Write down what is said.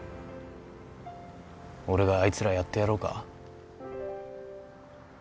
俺があいつらやってやろうか？